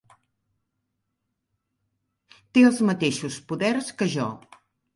Té els mateixos poders que jo.